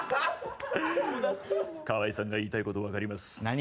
河井さんが言いたいこと分かります。